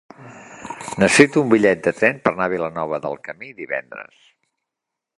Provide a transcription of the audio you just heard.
Necessito un bitllet de tren per anar a Vilanova del Camí divendres.